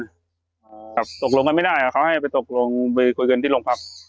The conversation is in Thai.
แตกตกลงกันไม่ได้เขาให้ไปคุยกันที่โรงพักษณ์